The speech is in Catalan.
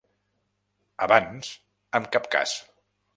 Abans, ‘en cap cas’.